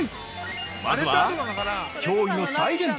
まずは、驚異の再現度。